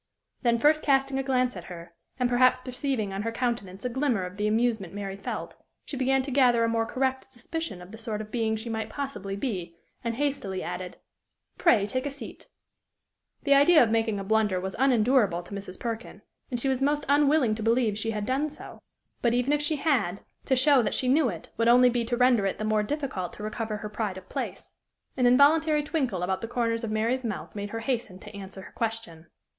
Then first casting a glance at her, and perhaps perceiving on her countenance a glimmer of the amusement Mary felt, she began to gather a more correct suspicion of the sort of being she might possibly be, and hastily added, "Pray, take a seat." The idea of making a blunder was unendurable to Mrs. Perkin, and she was most unwilling to believe she had done so; but, even if she had, to show that she knew it would only be to render it the more difficult to recover her pride of place. An involuntary twinkle about the corners of Mary's mouth made her hasten to answer her question.